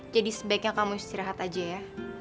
sebaiknya kamu istirahat aja ya